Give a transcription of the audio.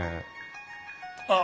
あっ！